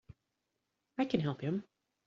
I can help him!